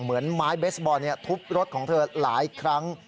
เหมือนไม้เบสบอลทุบรถของเธอหลายครั้ง